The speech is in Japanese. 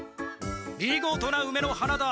見事なうめの花だ。